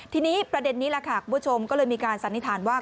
ทีนี้ประเด็นนี้ล่ะค่ะคุณผู้ชมก็เลยมีการสันนิษฐานว่า